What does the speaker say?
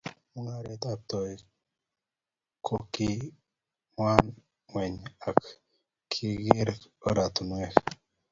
Mung'aret ab toek kukiwa ng'wen ama kikiker oratinwek